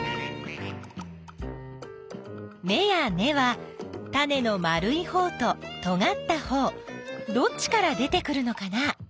めや根はタネの丸いほうととがったほうどっちから出てくるのかな？